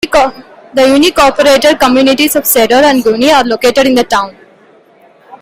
The unincorporated communities of Cedar, and Gurney are located in the town.